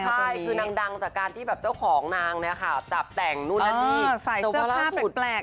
สายชีวิตนางจากการที่เจ้าของนางันสายใส่เสื้อผ้าแปลก